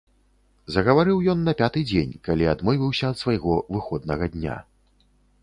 Загаварыў ён на пяты дзень, калі адмовіўся ад свайго выходнага дня.